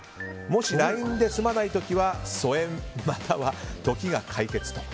もしＬＩＮＥで済まないときは疎遠、または時が解決と。